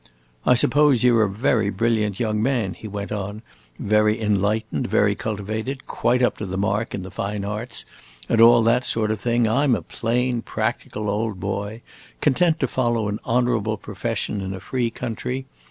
"I suppose you 're a very brilliant young man," he went on, "very enlightened, very cultivated, quite up to the mark in the fine arts and all that sort of thing. I 'm a plain, practical old boy, content to follow an honorable profession in a free country.